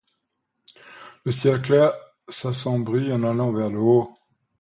Le ciel clair s'assombrit en allant vers le haut.